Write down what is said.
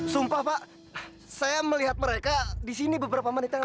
sumpah pak saya melihat mereka di sini beberapa menit yang lalu